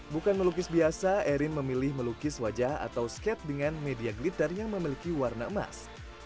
bukan melukis biasa erin memilih melukis wajah atau skate dengan media glitter yang memiliki warna emas